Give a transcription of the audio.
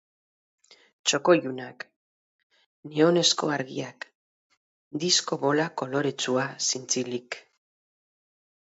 Txoko ilunak, neonezko argiak, disko bola koloretsua zintzilik.